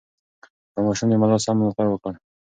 د ماشوم د ملا سم ملاتړ وکړئ.